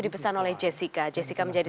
dipesan oleh jessica jessica menjadi